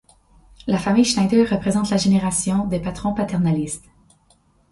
La famille Schneider représente la génération des patrons paternalistes.